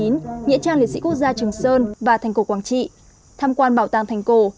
nghĩa trang liệt sĩ quốc gia trường sơn và thành cổ quảng trị tham quan bảo tàng thành cổ